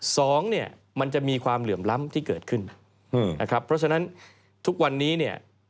สองเนี่ยมันจะมีความเหลื่อมล้ำที่เกิดขึ้นอืมนะครับเพราะฉะนั้นทุกวันนี้เนี่ย